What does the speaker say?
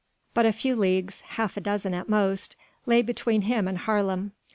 But a few leagues half a dozen at most lay between him and Haarlem.